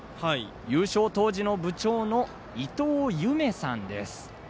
優勝当時の部長のいとうゆめさんです。